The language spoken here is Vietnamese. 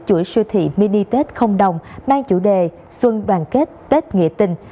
chuỗi siêu thị mini tết không đồng mang chủ đề xuân đoàn kết tết nghĩa tình